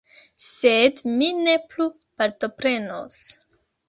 Sed mi ne plu partoprenos.